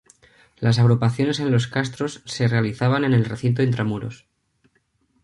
Las agrupaciones en los castros se realizaban en el recinto intramuros.